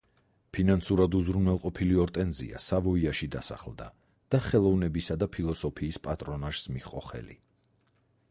ფინანსურად უზრუნველყოფილი ორტენზია სავოიაში დასახლდა და ხელოვნებისა და ფილოსოფიის პატრონაჟს მიჰყო ხელი.